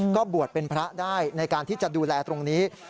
ก็บวชเป็นพระได้ในการที่จะดูแลตรงนี้